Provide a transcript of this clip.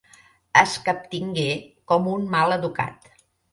Es captingué com un mal educat.